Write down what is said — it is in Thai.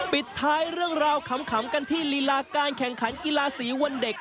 ปิดท้ายเรื่องราวขำกันที่ลีลาการแข่งขันกีฬาสีวันเด็ก